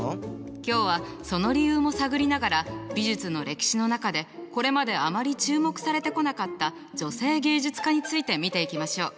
今日はその理由も探りながら美術の歴史の中でこれまであまり注目されてこなかった女性芸術家について見ていきましょう。